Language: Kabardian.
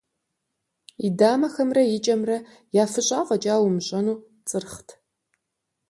И дамэхэмрэ и кӀэмрэ, яфыщӀа фӀэкӀа умыщӀэну, цӀырхът.